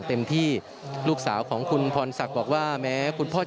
และก็มีการกินยาละลายริ่มเลือดแล้วก็ยาละลายขายมันมาเลยตลอดครับ